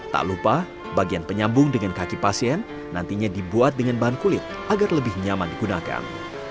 tak lupa bagian penyambung dengan kaki pasien nantinya dibuat dengan bahan kulit agar lebih nyaman digunakan